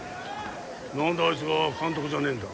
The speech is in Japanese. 何であいつが監督じゃねえんだ？